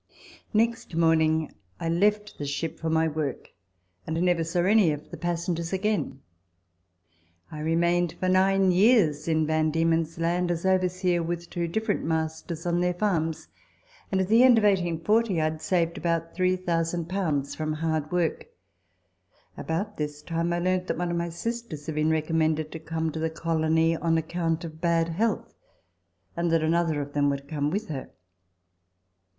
Next morning I left the ship for my work, and never saw any of the passengers again. I remained for nine years in Van Diemen's Land, as overseer with two different masters on their farms, and at the end of 1840 1 had saved about 3,000 from hard work. About this time I learnt that one of my sisters had been recommended to come to the colony on ac count of bad health, and that another of them would come with her.